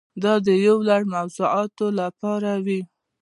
دا د یو لړ موضوعاتو لپاره وي.